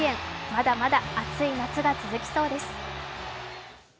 まだまだ熱い夏が続きそうです。